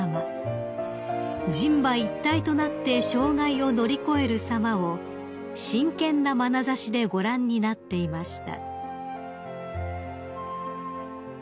［人馬一体となって障害を乗り越えるさまを真剣なまなざしでご覧になっていました］